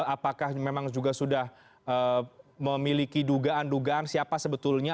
apakah memang juga sudah memiliki dugaan dugaan siapa sebetulnya